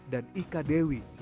dan ika dewi